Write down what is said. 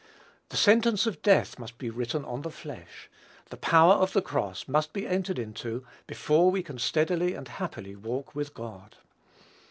The sentence of death must be written on the flesh, the power of the cross must be entered into before we can steadily and happily walk with God.